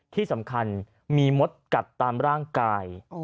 ที่สำคัญมีมดกัดตามร่างกาย